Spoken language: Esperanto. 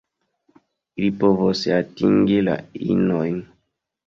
Ili povos atingi la inojn.